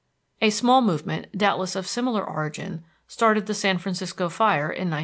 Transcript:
A small movement, doubtless of similar origin, started the San Francisco fire in 1906.